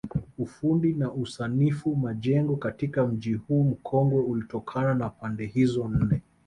Ufundi na usanifu majengo katika mji huu mkongwe ulitokana na pande hizo nne